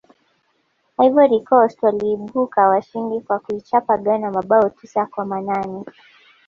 ivory coast waliibuka washindi kwa kuichapa ghana mabao tisa kwa manane